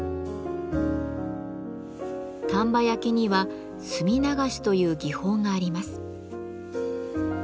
丹波焼には「墨流し」という技法があります。